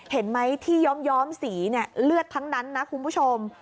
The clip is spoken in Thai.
เห็นไหมที่ย้อมสีเนี่ยเลือดทั้งนั้นนะคุณผู้ชม